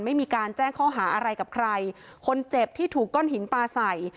ไม่มีการแจ้งข้อหาอะไรกับใครคนเจ็บที่ถูกก้อนหินปลาใส่